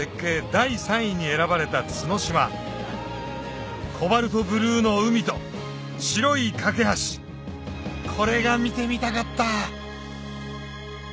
第３位に選ばれた角島コバルトブルーの海と白い架け橋これが見てみたかった！